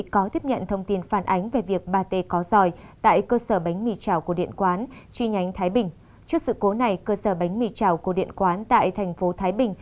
cảm ơn các bạn đã theo dõi